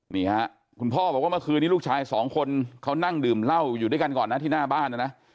นี่ฮะคุณพ่อบอกว่าเมื่อคืนนี้ลูกชายสองคนเขานั่งดื่มเหล้าอยู่ด้วยกันก่อนนะที่หน้าบ้านนะนะ